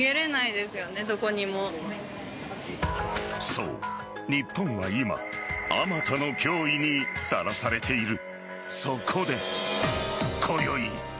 そう、日本は今あまたの脅威にさらされている。